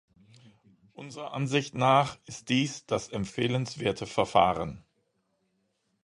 Unserer Ansicht nach ist dies das empfehlenswerte Verfahren.